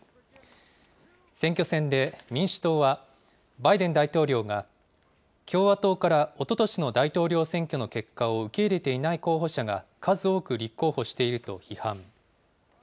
選挙戦で、民主党はバイデン大統領が、共和党からおととしの大統領選挙の結果を受け入れていない候補者が数多く立候補していると批判。